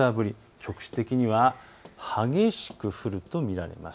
局地的には激しく降ると見られます。